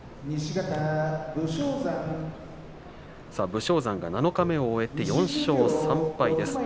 武将山が七日目を終えて４勝３敗です。